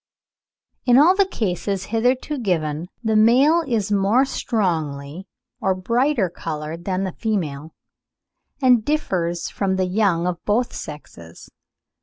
In all the cases hitherto given the male is more strongly or brighter coloured than the female, and differs from the young of both sexes.